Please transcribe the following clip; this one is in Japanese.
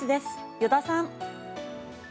依田さん。